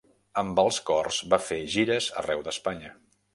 Amb els cors va fer gires arreu d'Espanya.